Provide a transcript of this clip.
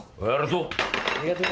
ありがとう。